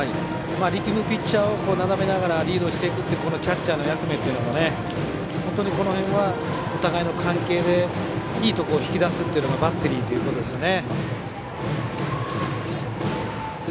力むピッチャーをなだめながらリードするキャッチャーの役目もこの辺はお互いの関係でいいところを引き出すのがバッテリーということですね。